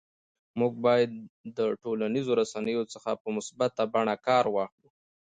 موږ باید د ټولنیزو رسنیو څخه په مثبته بڼه کار واخلو